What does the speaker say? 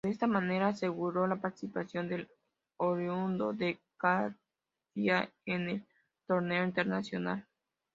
De esta manera aseguró la participación del oriundo de Catia en el torneo internacional.